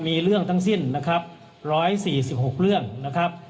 มีเรื่องทั้งสิ้นนะครับร้อยสี่สิบหกเรื่องนะครับ